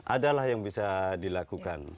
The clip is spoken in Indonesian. adalah yang bisa dilakukan